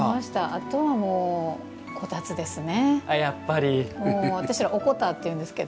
あとはもうこたつですね。